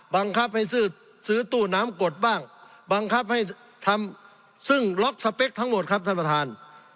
บังคับให้ซื้อตู้น้ำกดบ้างบังคับให้ทำซึ่งล็อกสเปคทั้งหมดครับท่านประธาน